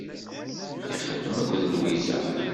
Ixeddem akked Lwiza.